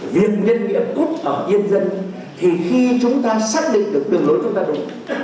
việc nhân viện cốt thở nhân dân thì khi chúng ta xác định được đường lối chúng ta đúng